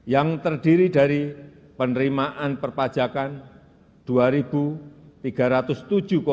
yang terdiri dari penerimaan perpajakan rp dua tiga ratus tujuh